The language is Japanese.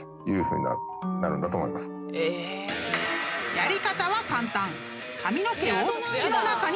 ［やり方は簡単］